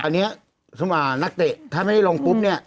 อันนี้นักเตะถ้าไม่ได้ลงปุ๊บเนี่ย